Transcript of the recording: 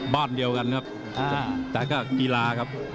บ้านเดียวกันครับแต่ก็กีฬาครับ